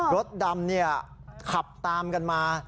รถดำเนี่ยขับตามกันมา